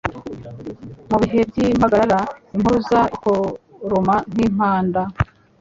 Mu bihe by'impagarara impuruza ikoroma nk'impanda